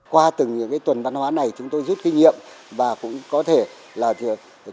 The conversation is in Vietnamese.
qua từng tuần văn hóa này chúng tôi rút kinh nghiệm và cũng có thể là chúng tôi